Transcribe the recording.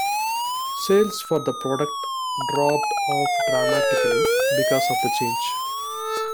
Sales for the product dropped off dramatically because of the change.